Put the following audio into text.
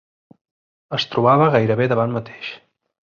Es trobava gairebé davant mateix